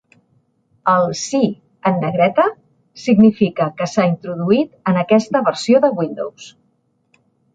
El "Sí" en negreta significa que s'ha introduït en aquesta versió de Windows.